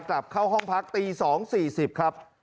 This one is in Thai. กลับเข้าห้องพักตี๒๔๐ครับ